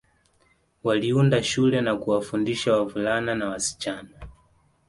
Waliunda shule na kuwafundisha wavulana na wasichana